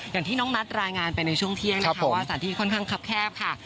อย่างที่น้องนัทรายงานไปในช่วงเที่ยงนะคะว่าสถานที่ค่อนข้างคับแคบค่ะ